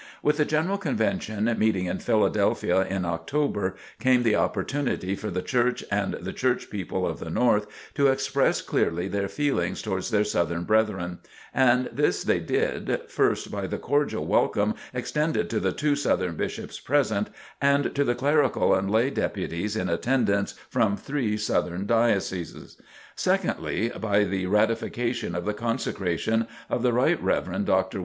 With the General Convention meeting in Philadelphia in October came the opportunity for the Church and the Church people of the North to express clearly their feelings towards their Southern brethren; and this they did, first, by the cordial welcome extended to the two southern Bishops present, and to the clerical and lay deputies in attendance from three Southern Dioceses; secondly, by the ratification of the consecration of the Rt. Rev. Dr.